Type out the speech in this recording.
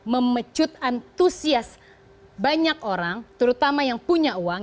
memecut antusias banyak orang terutama yang punya uang